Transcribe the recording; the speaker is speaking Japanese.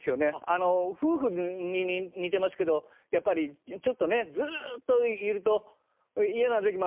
あの夫婦に似てますけどやっぱりちょっとねずっといると嫌なる時もあるじゃないですか。